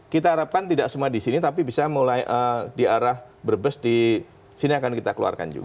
kita harapkan tidak semua disini tapi bisa mulai di arah brebes disini akan kita keluarkan juga